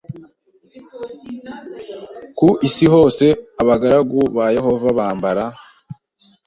Ku isi hose abagaragu ba Yehova bambara